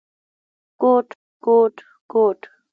_کوټ، کوټ ، کوټ…